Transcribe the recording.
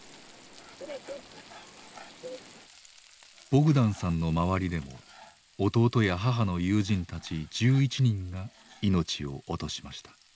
ボグダンさんの周りでも弟や母の友人たち１１人が命を落としました。